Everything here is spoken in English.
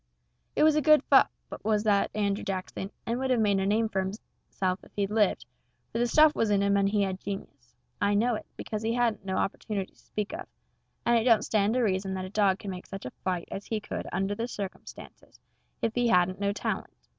It was a good pup, was that Andrew Jackson, and would have made a name for hisself if he'd lived, for the stuff was in him and he had genius I know it, because he hadn't no opportunities to speak of, and it don't stand to reason that a dog could make such a fight as he could under them circumstances if he hadn't no talent.